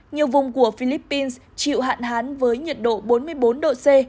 nhiều vùng của philippines chịu hạn hán với nhiệt độ bốn mươi bốn độ c